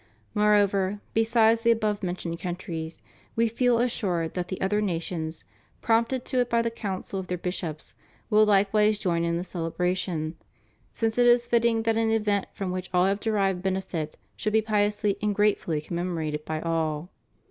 Moreover, besides the above mentioned countries, We feel assured that the other nations, prompted to it by the counsel of their bishops will likewise join in the celebration, since it is fitting that an event from which all have derived benefit should be piously and gratefully com memorated by all.